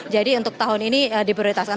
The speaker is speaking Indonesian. jadi untuk tahun ini di prioritaskan